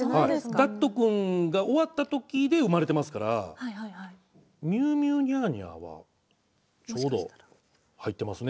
「ダットくん」が終わった時で生まれてますから「ミューミューニャーニャー」はちょうど入ってますね。